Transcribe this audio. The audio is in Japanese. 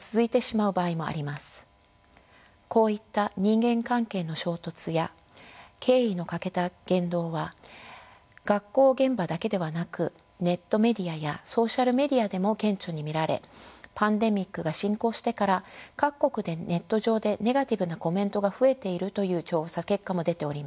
こういった人間関係の衝突や敬意の欠けた言動は学校現場だけではなくネットメディアやソーシャルメディアでも顕著に見られパンデミックが進行してから各国でネット上でネガティブなコメントが増えているという調査結果も出ております。